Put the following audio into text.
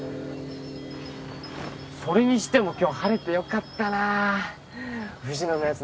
それにしても今日晴れてよかったな藤野のヤツ